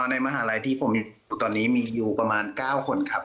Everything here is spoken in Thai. ในมหาลัยที่ผมอยู่ตอนนี้มีอยู่ประมาณ๙คนครับ